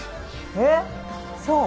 えーそう？